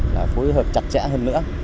là phối hợp chặt chẽ hơn nữa